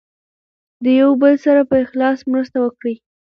د یو بل سره په اخلاص مرسته وکړئ.